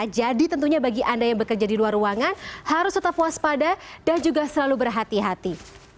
jadi tentunya bagi anda yang bekerja di luar ruangan harus tetap waspada dan juga selalu berhati hati